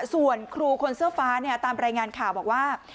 ส่วนครูคนเสื้อฟ้าตามรายงานข่าวบอกว่า